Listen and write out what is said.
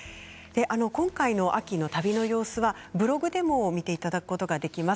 今回のアッキーの旅の様子はブログでも見ていただくことができます。